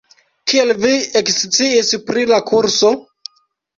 Kiel vi eksciis pri la kurso?